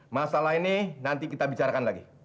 masalah ini nanti kita bicarakan lagi